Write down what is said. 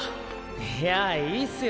いやぁいいすよ